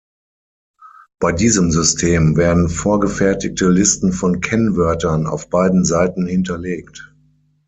Bei diesem System werden vorgefertigte Listen von Kennwörtern auf beiden Seiten hinterlegt.